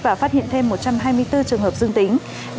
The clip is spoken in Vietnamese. và phát hiện thêm một trăm hai mươi bốn trường hợp dương tính